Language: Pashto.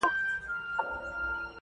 د جهاني عمر به وروسته نذرانه دروړمه؛